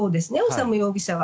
修容疑者は。